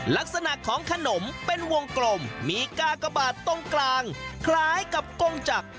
ลักษณะของขนมเป็นวงกลมมีกากบาทตรงกลางคล้ายกับกงจักร